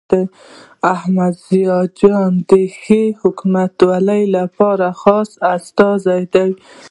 احمد ضیاء جان د ښې حکومتولۍ لپاره خاص استازی دی.